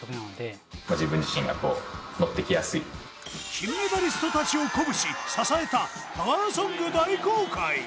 金メダリスト達を鼓舞し支えたパワーソング大公開